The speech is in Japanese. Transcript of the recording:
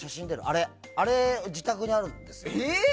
あれ、自宅にあるんです。